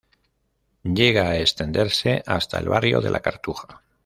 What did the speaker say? Llega a extenderse hasta el barrio de La Cartuja.